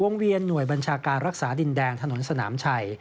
เวียนหน่วยบัญชาการรักษาดินแดนถนนสนามชัย